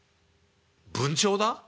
「文鳥だ？